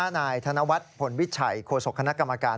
นายธนวัฒน์ผลวิชัยโฆษกคณะกรรมการ